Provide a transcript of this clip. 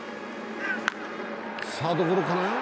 サードゴロかな。